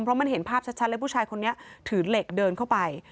เพราะมันเห็นภาพชัดเลยผู้ชายคนนี้ถือเหล็กเดินเข้าไป